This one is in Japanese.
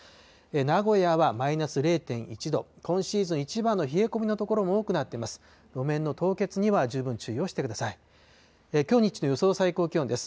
名古屋はマイナス０．１度、今シーズン一番の冷え込みの所も多くなっています。